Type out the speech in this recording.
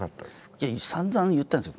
いやさんざん言ったんですよ。